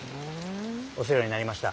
お世話になりました。